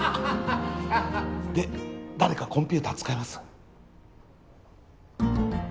で誰かコンピューター使えます？